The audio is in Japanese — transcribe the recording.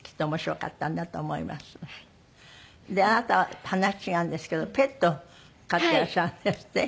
あなたは話違うんですけどペット飼ってらっしゃるんですって？